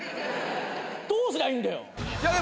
どうすりゃいいんだよ。